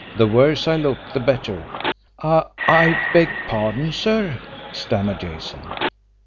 "The worse I look, the better!" "I I beg pardon, sir?" stammered Jason.